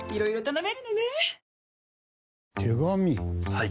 はい。